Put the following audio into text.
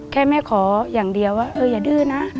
แค่แม่ขออย่างเดียวว่าเอออย่าดื้อนะ